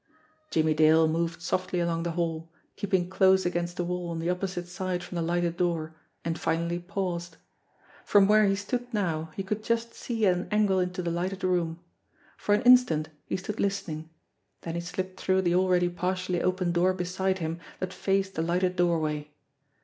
Jimmie Dale moved softly along the hall, keeping close against the wall on the opposite side from the lighted door, and finally paused. From where he stood now, he could just see at an angle into the lighted room. For an instant he stood listening, then he slipped through the already partially opened door beside him that faced the lighted doorway.